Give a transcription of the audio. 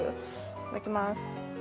いただきます。